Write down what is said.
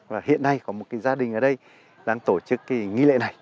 và hiện nay có một cái gia đình ở đây đang tổ chức cái nghi lễ này